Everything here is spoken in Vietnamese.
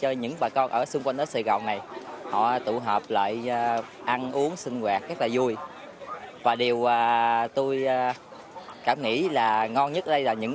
họ tụ hợp lại ăn uống sinh hoạt rất là vui và điều tôi cảm nghĩ là ngon nhất đây là những